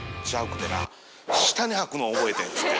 「吐くのを覚えてん」って。